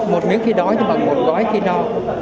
một miếng khi đói bằng một gói khi no